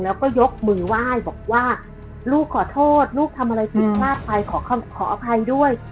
แล้วก็ยกมือไหว้บอกว่าลูกขอโทษลูกทำอะไรผิดพลาดไปขออภัยด้วย